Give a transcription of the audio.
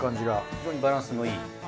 非常にバランスのいい。